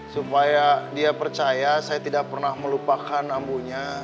supaya dia percaya saya tidak pernah melupakan amunya